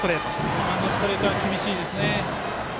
今のストレートは厳しいですね。